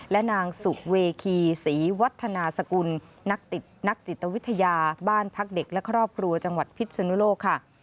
และนางสุเวคีศรีวัฒนาสกุลนักจิตวิทยาบ้านพักเด็กและครอบครัวจังหวัดพิษนุโลกค่ะ